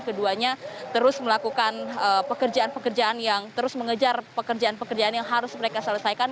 keduanya terus melakukan pekerjaan pekerjaan yang terus mengejar pekerjaan pekerjaan yang harus mereka selesaikan